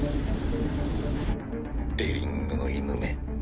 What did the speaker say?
デリングの犬め。